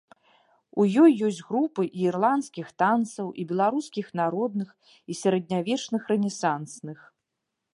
У ёй ёсць групы і ірландскіх танцаў, і беларускіх народных, і сярэднявечных рэнесансных.